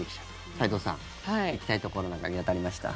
齊藤さん、行きたいところなんか見当たりました？